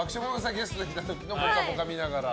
ゲストで来た時の「ぽかぽか」を見ながら。